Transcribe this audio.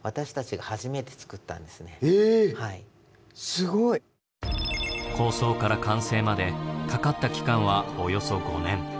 すごい。構想から完成までかかった期間はおよそ５年。